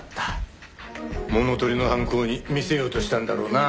物盗りの犯行に見せようとしたんだろうな。